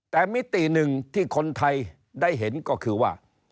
แต่มิติหนึ่งที่คนไทยได้เห็นก็คือว่า